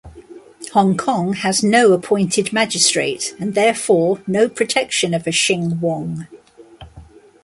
Hong Kong had no appointed magistrate and therefore no protection of a Shing Wong.